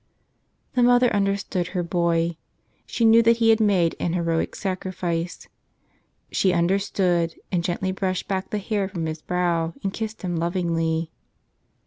The mother understood her boy. She knew that he had made an heroic sacrifice. She understood, and gently brushed back the hair from his brow and kissed him lovingly.